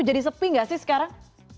jadi sepi nggak sih sekarang